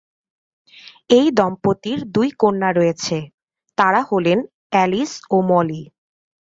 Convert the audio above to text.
এই দম্পতির দুই কন্যা রয়েছে, তারা হলেন অ্যালিস ও মলি।